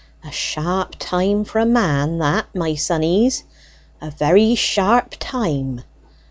A sharp time for a man that, my sonnies; a very sharp time!